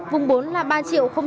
vùng ba là ba bốn trăm ba mươi đồng